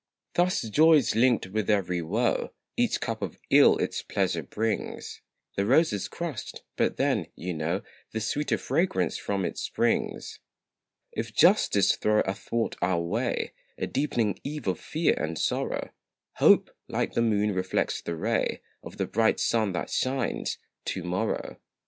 Thus joy is linked with every woe Each cup of ill its pleasure brings; The rose is crushed, but then, you know, The sweeter fragrance from it springs. If justice throw athwart our way, A deepening eve of fear and sorrow, Hope, like the moon, reflects the ray Of the bright sun that shines to morrow.